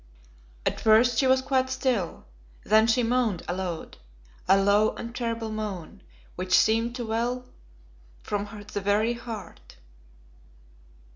At first she was quite still, then she moaned aloud, a low and terrible moan, which seemed to well from the very heart.